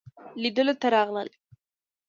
لیدلو ته راغلل.